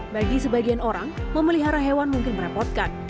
bagi sebagian orang memelihara hewan mungkin merepotkan